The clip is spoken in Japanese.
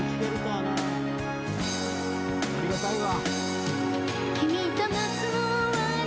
ありがたいわ。